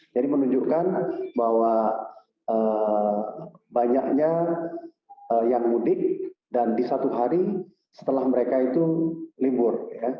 jadi menunjukkan bahwa banyaknya yang mudik dan di satu hari setelah mereka itu libur